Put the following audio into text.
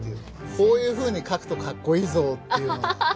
こういうふうに描くとかっこいいぞっていうのが。